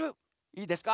いいですか？